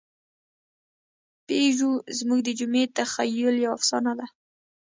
پيژو زموږ د جمعي تخیل یوه افسانه ده.